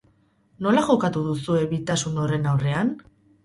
Nola jokatu duzue bitasun horren aurrean?